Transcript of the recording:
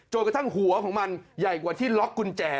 กระทั่งหัวของมันใหญ่กว่าที่ล็อกกุญแจ